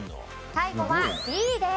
最後はＢです。